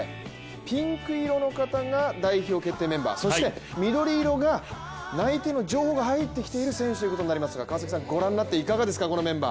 ピンク色の方が代表決定メンバー、そして緑色が内定の情報が入ってきている選手になりますが川崎さん、ご覧になっていかがですか、このメンバー。